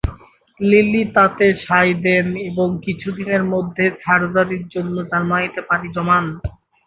Lily তাতে সায় দেন এবং কিছুদিনের মধ্যে সার্জারির জন্য জার্মানিতে পাড়ি জমান।